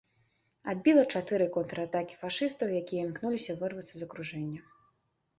Адбіла чатыры контратакі фашыстаў, якія імкнуліся вырвацца з акружэння.